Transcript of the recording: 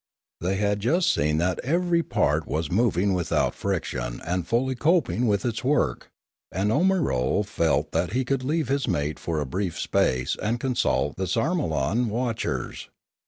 They had just seen that every part was moving without friction and fully coping with its work; and Omirlo felt that he could leave his mate for a brief space and consult the sarmolan watchers.